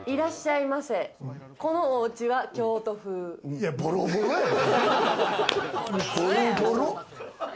いや、ボロボロやん。